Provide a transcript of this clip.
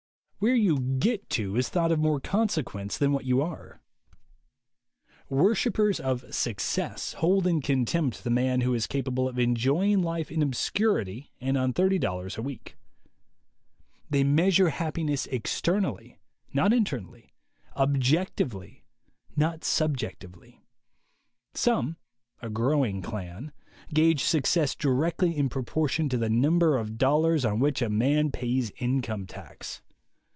Where you get to is thought of more consequence than what you are. Worship 42 THE WAY TO WILL POWER pers of Success hold in contempt the man who is capable of enjoying life in obscurity and on $30 a week. They measure happiness externally, not internally; objectively, not subjectively. Some (a growing clan) gauge success directly in proportion to the number of dollars on which a man pays income tax.